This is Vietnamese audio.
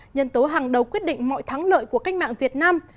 nhân tố hàng đầu quyết định mọi thắng lợi của cách mạng việt nam